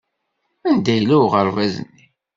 Anda yella uɣerbaz-nni?